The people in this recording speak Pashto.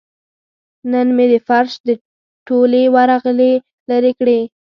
نن مې د فرش ټولې ورغلې لرې کړې.